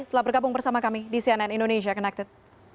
telah bergabung bersama kami di cnn indonesia connected